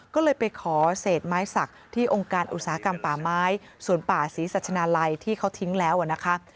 ก็เลยไปขอเศษไม้สักที่องค์การอุตสาหกรรมป่าไม้สวนป่าศรีสัชนาลัยที่เขาทิ้งแล้วนะคะ